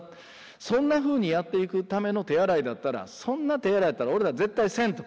そんなふうにやっていくための手洗いだったらそんな手洗いやったら俺ら絶対せんと。